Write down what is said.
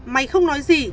mày không nói gì